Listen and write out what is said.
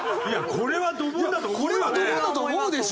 これはドボンだと思うでしょ！